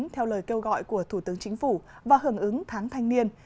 theo lời kêu gọi của thủ tướng chính phủ và hưởng ứng tháng thanh niên